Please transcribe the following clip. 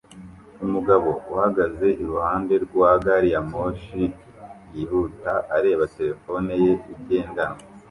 Umugabo uhagaze iruhande rwa gari ya moshi yihuta areba terefone ye igendanwa